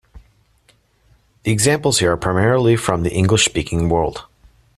The examples here are primarily from the English-speaking world.